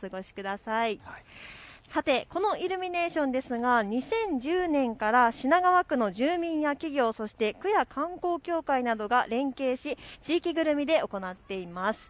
さてこのイルミネーションですが２０１０年から品川区の住民や企業、そして区や観光協会などが連携し地域ぐるみで行っています。